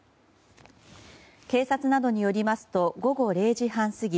警察などによりますと午後０時半過ぎ